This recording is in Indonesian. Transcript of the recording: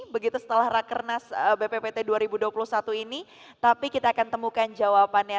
begitu setelah rakernas bppt dua ribu dua puluh satu ini tapi kita akan temukan jawabannya